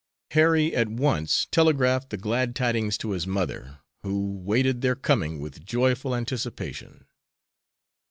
Harry at once telegraphed the glad tidings to his mother, who waited their coming with joyful anticipation.